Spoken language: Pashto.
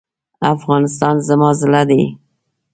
افغانستان زما زړه دی.